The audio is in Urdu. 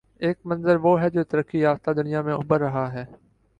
ایک منظروہ ہے جو ترقی یافتہ دنیا میں ابھر رہا ہے۔